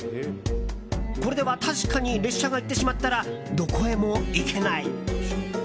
これでは確かに列車が行ってしまったらどこへも行けない！